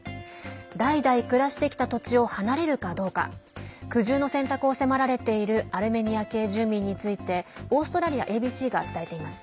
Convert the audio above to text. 代々、暮らしてきた土地を離れるかどうか苦渋の選択を迫られているアルメニア系住民についてオーストラリアＡＢＣが伝えています。